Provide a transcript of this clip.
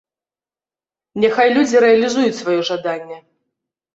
Няхай людзі рэалізуюць сваё жаданне.